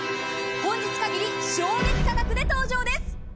本日限り、衝撃価格で登場です。